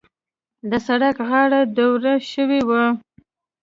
د سړک غاړه دوړه شوې وه.